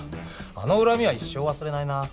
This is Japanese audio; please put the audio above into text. あの恨みは一生忘れないな。